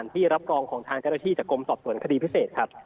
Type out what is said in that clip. ที่รับรองของทางเจ้าหน้าที่จากกรมสอบสวนคดีพิเศษครับ